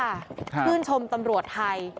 ค่ะขึ้นชมตำรวจไทย